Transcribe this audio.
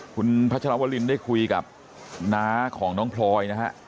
คุณพัชรวรินได้คุยกับน้าของน้องพลอยนะฮะ